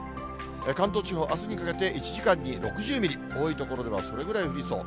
関東地方、あすにかけて１時間に６０ミリ、多い所ではそれぐらい降りそう。